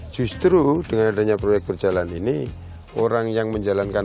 justru dengan adanya proyek berjalan ini orang yang menjalankan